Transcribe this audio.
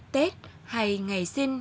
tết hay ngày sinh